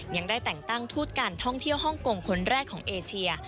ยังได้แต่งตั้งทูตการท่องเที่ยวฮ่องกงคนแรกของเอเชีย